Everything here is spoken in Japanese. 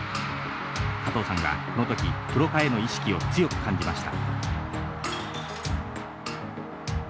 加藤さんはこの時プロ化への意識を強く感じました。